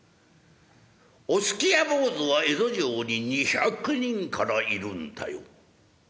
御数寄屋坊主は江戸城に２００人からいるんだよ。